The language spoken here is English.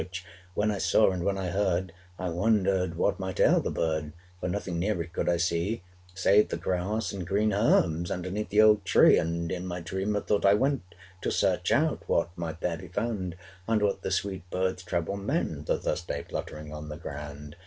Which when I saw and when I heard, I wonder'd what might ail the bird; For nothing near it could I see, Save the grass and green herbs underneath the old tree. 'And in my dream methought I went 541 To search out what might there be found; And what the sweet bird's trouble meant, That thus lay fluttering on the ground.